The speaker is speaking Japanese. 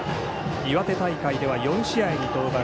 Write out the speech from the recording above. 岩手大会では４試合に登板。